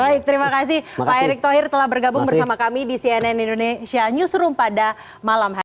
baik terima kasih pak erick thohir telah bergabung bersama kami di cnn indonesia newsroom pada malam hari ini